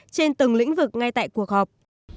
trên từng lĩnh vực ngay tại cuộc họp